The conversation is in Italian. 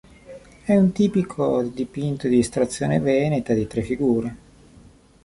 È un tipico dipinto di estrazione veneta di tre figure.